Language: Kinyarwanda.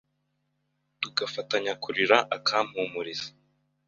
tugafatanya kurira, akampumuriza